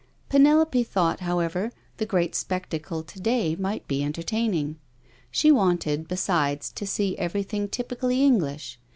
Penelope thought, however, the great spectacle to day might be entertaining; she wanted, besides, to see every thing typically English.